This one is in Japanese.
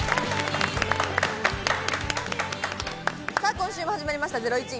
今週も始まりました『ゼロイチ』。